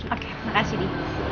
oke makasih di